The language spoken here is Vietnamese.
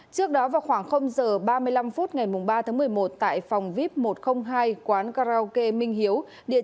trước đó vào khoảng h ba mươi năm phút ngày ba tháng một mươi một tại phòng vip một trăm linh hai quán karaoke minh hiếu